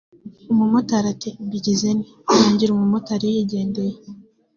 umumotari ati ‘mbigenze nte’ birangira umumotari yigendeye”